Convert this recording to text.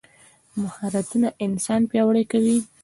مهارتونه انسان پیاوړی کوي.